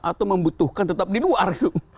atau membutuhkan tetap di luar